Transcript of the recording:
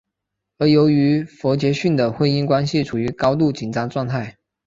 而由于杰佛逊的婚姻关系处于高度紧张状态。